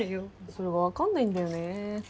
それ分かんないんだよね。